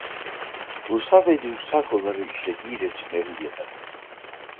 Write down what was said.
Ruhsal ve duygusal konuları işlediği resimleriyle tanındı.